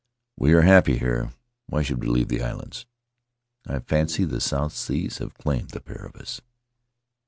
We are happy here. Why should we leave the islands?' I fancy the South Seas have claimed the pair of us.